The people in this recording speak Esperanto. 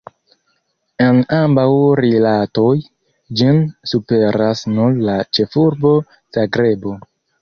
En ambaŭ rilatoj ĝin superas nur la ĉefurbo Zagrebo.